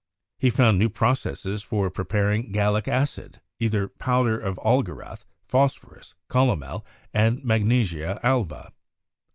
He found new processes for preparing gallic acid, ether, powder of algaroth, phos phorus, calomel, and 'magnesia alba.'